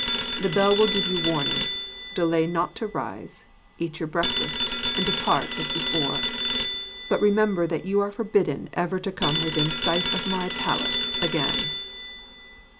The bell will give you warning; delay not to rise, eat your breakfast, and depart as before. But remember that you are forbidden ever to come within sight of my palace again.'